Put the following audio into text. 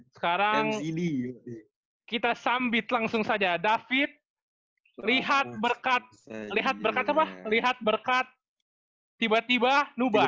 sekarang kita sambit langsung saja david lihat berkat lihat berkaca pak lihat berkat tiba tiba nubar